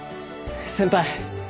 先輩。